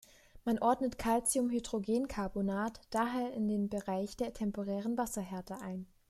Man ordnet Calciumhydrogencarbonat daher in den Bereich der temporären Wasserhärte ein.